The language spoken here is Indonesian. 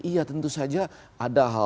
iya tentu saja ada hal hal yang mau dikatakan